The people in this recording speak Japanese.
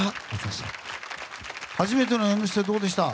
初めての「Ｍステ」どうでした？